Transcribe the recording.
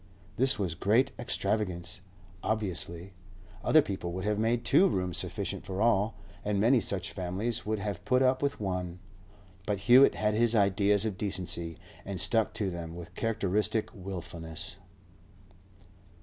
This was great extravagance, obviously; other people would have made two rooms sufficient for all, and many such families would have put up with one. But Hewett had his ideas of decency, and stuck to them with characteristic wilfulness.